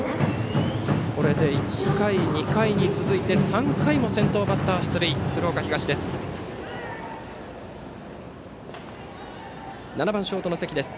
これで１回、２回に続き３回も先頭バッター出塁の鶴岡東です。